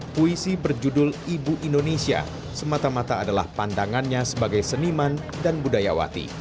puisi berjudul ibu indonesia semata mata adalah pandangannya sebagai seniman dan budayawati